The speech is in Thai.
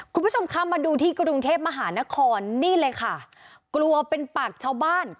คุณผู้ชมคะมาดูที่กรุงเทพมหานครนี่เลยค่ะกลัวเป็นปากชาวบ้าน